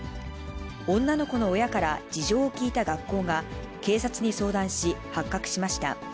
女の子の親から事情を聞いた学校が警察に相談し発覚しました。